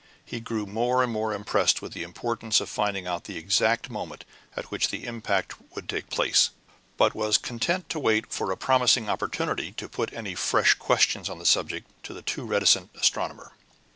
He grew more and more impressed with the importance of finding out the exact moment at which the impact would take place, but was content to wait for a promising opportunity to put any fresh questions on the subject to the too reticent astronomer.